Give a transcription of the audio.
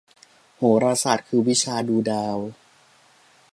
โหราศาสตร์คือวิชาดูดาว